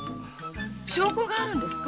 証拠があるんですか？